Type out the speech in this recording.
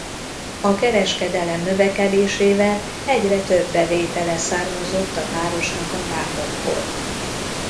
A kereskedelem növekedésével egyre több bevétele származott a városnak a vámokból.